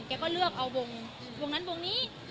ก็เลือกเอาวงนั้นวงนี้